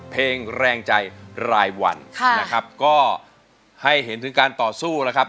เพลงแรงใจรายวันค่ะนะครับก็ให้เห็นถึงการต่อสู้นะครับ